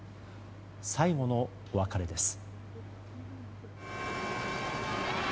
最後のお別れです。